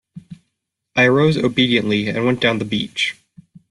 I arose obediently and went down the beach.